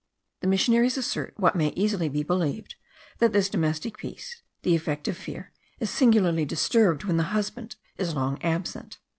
The missionaries assert, what may easily be believed, that this domestic peace, the effect of fear, is singularly disturbed when the husband is long absent.